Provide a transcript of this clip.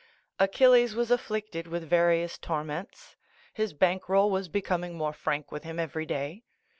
Achilles was afflicted with various tor ments. His bank roll was becoming more frank with him every day.